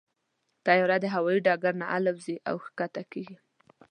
طیاره د هوايي ډګر نه الوزي او کښته کېږي.